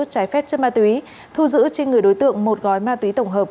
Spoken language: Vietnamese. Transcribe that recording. trái phép chất ma túy thu giữ trên người đối tượng một gói ma túy tổng hợp